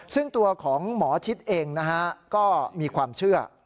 ซึ่งตัวของหมอชิดเองนะฮะก็มีความเชื่อ